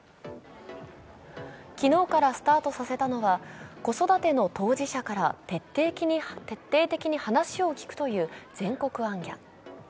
昨日からスタートさせたのは、子育ての当事者から徹底的に話を聞くという全国行脚。